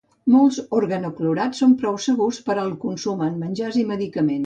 Molts organoclorats són prou segurs per al consum en menjars i medicaments.